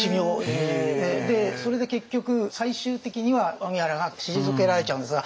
それで結局最終的には荻原が退けられちゃうんですが。